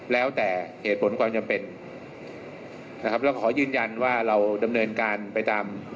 แล้วแต่เหตุผลความจำเป็นนะครับแล้วก็ขอยืนยันว่าเราดำเนินการไปตาม